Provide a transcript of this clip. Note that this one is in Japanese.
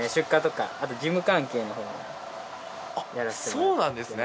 そうなんですね。